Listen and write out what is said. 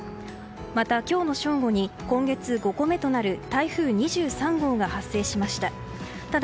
また、今日の正午に今月５個目となる台風２３号が発生しました。